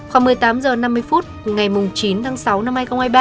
khoảng một mươi tám h năm mươi phút ngày chín tháng sáu năm hai nghìn hai mươi ba